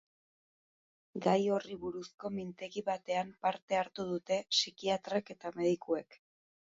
Gai horri buruzko mintegi batean parte hartu dute psikiatrek eta medikuek.